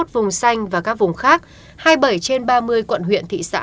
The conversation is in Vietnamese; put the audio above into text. năm trăm chín mươi một vùng xanh và các vùng khác hai mươi bảy trên ba mươi quận huyện thị xã